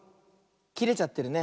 きれちゃってるね。